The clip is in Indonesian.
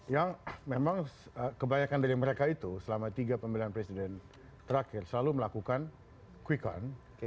yang memang kebanyakan dari mereka itu selama tiga pemilihan presiden terakhir selalu melakukan quick count